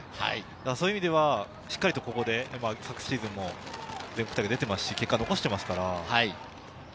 そういう意味ではしっかりとここで昨シーズンも全国大会に出て結果を残してますから。